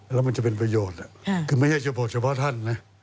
แล้วมันจะเป็นประโยชน์คือไม่ใช่เฉพาะเฉพาะท่านนะ